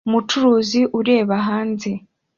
Umucuruzi ureba hanze